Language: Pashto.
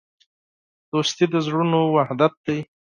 دوستي د زړونو وحدت دی.